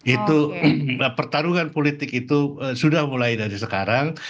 itu pertarungan politik itu sudah mulai dari sekarang